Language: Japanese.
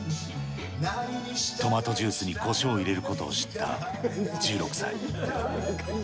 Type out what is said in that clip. トマトジュースにコショウを入れることを知った１６歳。